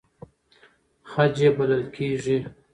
خج یې بلل کېږي.